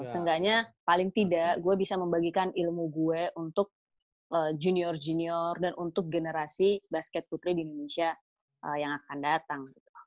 seenggaknya paling tidak gue bisa membagikan ilmu gue untuk junior junior dan untuk generasi basket putri di indonesia yang akan datang